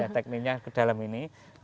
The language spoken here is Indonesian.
tekniknya ke dalam ini